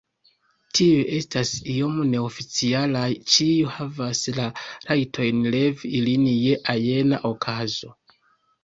Tiuj estas iom neoficialaj, ĉiu havas la rajton levi ilin je ajna okazo.